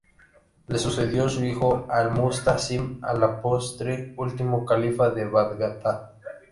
Le sucedió su hijo Al-Musta'sim, a la postre último califa de Bagdad.